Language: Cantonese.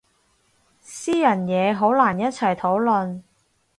私人嘢好難一齊討論